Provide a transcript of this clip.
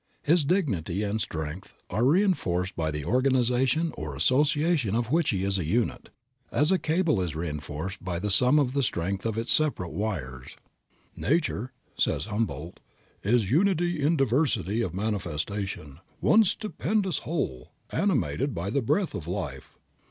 His dignity and strength are reënforced by the organization or association of which he is a unit, as a cable is reënforced by the sum of the strength of its separate wires. "Nature," says Humboldt, "is Unity in diversity of manifestation, one stupendous whole, animated by the breath of life."